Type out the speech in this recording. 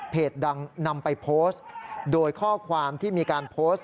ดังนำไปโพสต์โดยข้อความที่มีการโพสต์